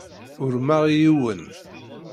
Urmeɣ yiwen.